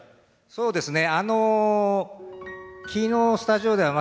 そうですね。